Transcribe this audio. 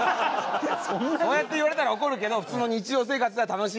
そうやって言われたら怒るけど普通の日常生活では楽しい先生だったと思うよ。